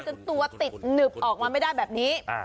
จนตัวติดหนึบออกมาไม่ได้แบบนี้